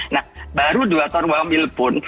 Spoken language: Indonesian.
nah baru dua tahun wamil pun